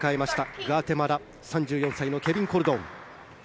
グアテマラ、３４歳のケビン・コルドン。